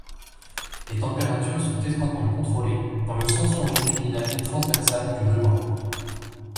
Les températures sont étroitement contrôlées dans le sens longitudinal et transversal du ruban.